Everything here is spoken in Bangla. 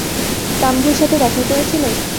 সাম্ভুর সাথে দেখা করেছিলে?